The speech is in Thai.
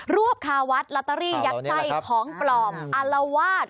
รวบคาวัดลอตเตอรี่ยักษ์ไส้ของปลอมอารวาส